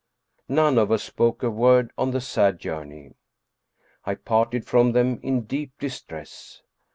None of us spoke a word on the sad journey. I parted from them in deep distress.